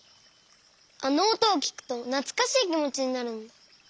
あのおとをきくとなつかしいきもちになるんだ。